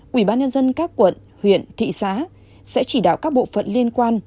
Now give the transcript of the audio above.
quỹ bán nhân dân các quận huyện thị xá sẽ chỉ đạo các bộ phận liên quan